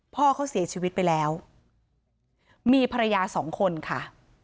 พ่อเขาเสียชีวิตไปแล้วมีภรรยาสองคนค่ะ